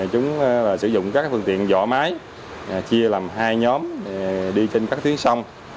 chúng sử dụng các phương tiện dọ máy chia làm hai nhóm đi trên các tuyến sông